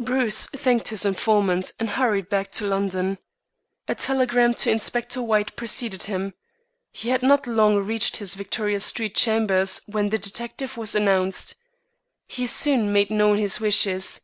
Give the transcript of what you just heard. Bruce thanked his informant and hurried back to London. A telegram to Inspector White preceded him. He had not long reached his Victoria street chambers when the detective was announced. He soon made known his wishes.